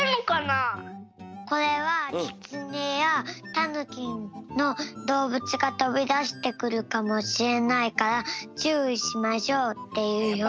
これはキツネやタヌキのどうぶつがとびだしてくるかもしれないからちゅういしましょうっていうひょうしき。